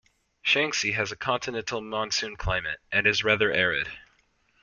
Shanxi has a continental monsoon climate, and is rather arid.